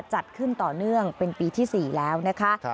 จัดขึ้นต่อเนื่องเป็นปีที่๔แล้วนะคะ